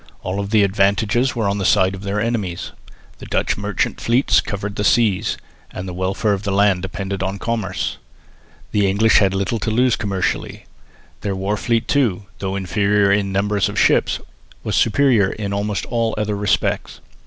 All the advantages were on the side of their enemies. The Dutch merchant fleets covered the seas, and the welfare of the land depended on commerce. The English had little to lose commercially. Their war fleet too, though inferior in the number of ships, was superior in almost all other respects.